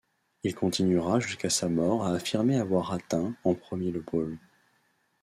Il continuera jusqu'à sa mort à affirmer avoir atteint en premier le pôle.